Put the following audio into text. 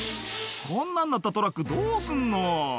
「こんなんなったトラックどうすんの？」